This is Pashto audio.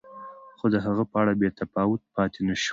خو د هغه په اړه بې تفاوت پاتې شو.